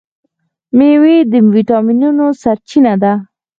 میوې د ویټامینونو سرچینه ده.